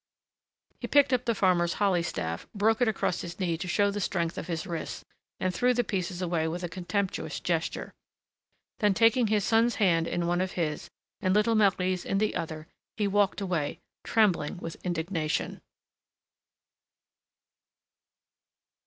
He picked up the farmer's holly staff, broke it across his knee to show the strength of his wrists, and threw the pieces away with a contemptuous gesture. Then, taking his son's hand in one of his, and little Marie's in the other, he walked away, trembling with indignation.